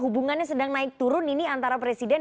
hubungannya sedang naik turun ini antara presiden